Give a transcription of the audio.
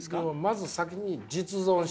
「まず先に実存して」。